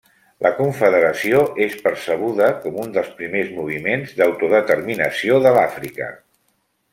La Confederació és percebuda com un dels primers moviments d'autodeterminació de l'Àfrica.